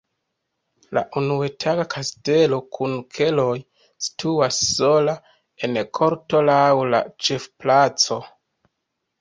La unuetaĝa kastelo kun keloj situas sola en korto laŭ la ĉefplaco.